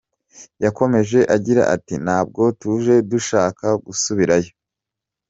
Yakomeje agira ati “Ntabwo tuje dushaka gusubirayo.